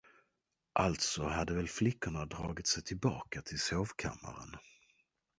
Alltså hade väl flickorna dragit sig tillbaka till sovkammaren.